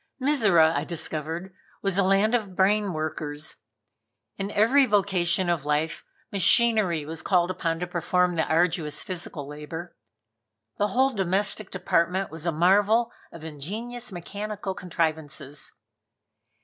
Mizora, I discovered, was a land of brain workers. In every vocation of life machinery was called upon to perform the arduous physical labor. The whole domestic department was a marvel of ingenious mechanical contrivances.